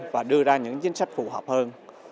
và đưa ra những chính sách phù hợp hơn